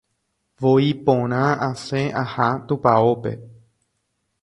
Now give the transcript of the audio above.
Voi porã asẽ aha tupãópe.